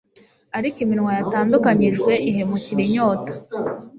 Ariko iminwa yatandukanijwe ihemukira inyota